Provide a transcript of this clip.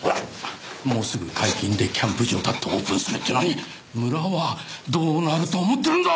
もうすぐ解禁でキャンプ場だってオープンするっていうのに村はどうなると思ってるんだ！？